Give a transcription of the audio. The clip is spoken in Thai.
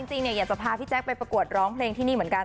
จริงอยากจะพาพี่แจ๊คไปประกวดร้องเพลงที่นี่เหมือนกัน